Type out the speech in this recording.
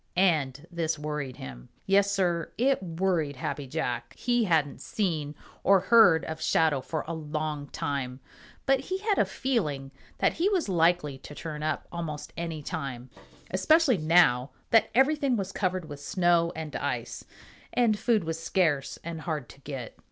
And this worried him. Yes, Sir, it worried Happy Jack. He hadn't seen or heard of Shadow for a long time, but he had a feeling that he was likely to turn up almost any time, especially now that everything was covered with snow and ice, and food was scarce and hard to get.